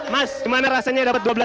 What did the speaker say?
mas gimana rasanya dapat dua belas